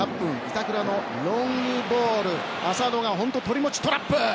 板倉のロングボールを浅野がとりもちトラップ。